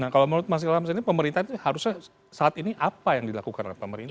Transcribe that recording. kalau menurut mas gilal pemerintah saat ini harusnya apa yang dilakukan oleh pemerintah